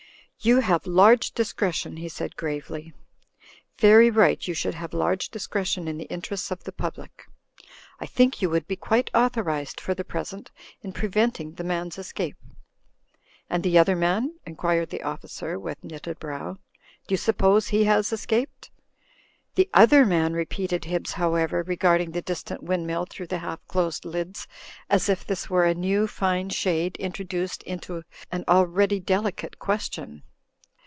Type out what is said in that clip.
'Tfou have large discretion," he said, gravely. "Very right you should have large discretion in the interests of the public. I think you would be quite authorised, for the present, in preventing the man's escape." "And the other man?" inquired the officer, with knitted brow, "Do you suppose he has escaped?" "The other man," repeated Hibbs However, re garding the distant windmill through half closed lids, 202 THE FLYING INN as if this were a new fine shade mtroduced into an already delicate question.